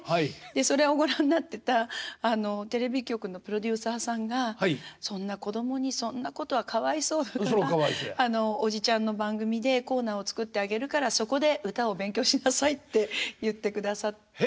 それをご覧になってたテレビ局のプロデューサーさんが「そんな子供にそんなことはかわいそうだからおじちゃんの番組でコーナーを作ってあげるからそこで歌を勉強しなさい」って言ってくださって。